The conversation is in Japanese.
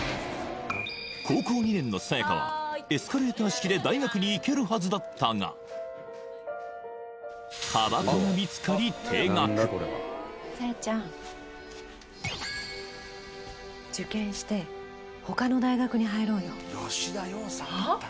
高校２年のさやかはエスカレーター式で大学にいけるはずだったがさやちゃん受験してほかの大学に入ろうよはあ？